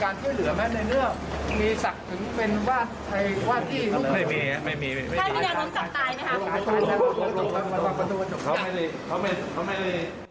ในเรื่องมีสักถึงเป็น